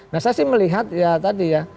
nah saya sih melihat ya tadi ya